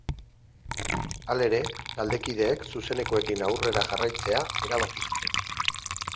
Halere, taldekideek zuzenekoekin aurrera jarraitzea erabaki zuten.